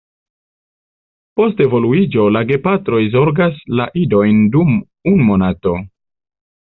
Post eloviĝo la gepatroj zorgas la idojn dum unu monato.